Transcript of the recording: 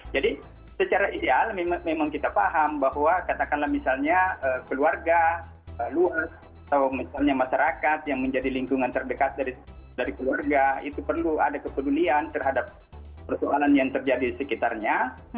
jadi secara ideal memang kita paham bahwa katakanlah misalnya keluarga luas atau misalnya masyarakat yang menjadi lingkungan terdekat dari keluarga itu perlu ada kepedulian terhadap persoalan yang terjadi di sekitarnya